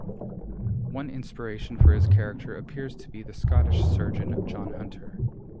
One inspiration for his character appears to be the Scottish surgeon John Hunter.